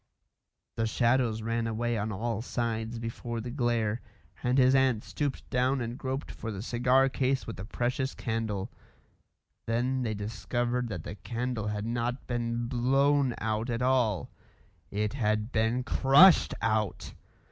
The shadows ran away on all sides before the glare, and his aunt stooped down and groped for the cigar case with the precious candle. Then they discovered that the candle had not been blown out at all; it had been crushed out.